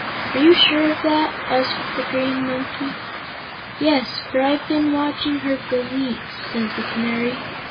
"Are you sure of that?" asked the Green Monkey. "Yes, for I've been watching her for weeks," said the Canary.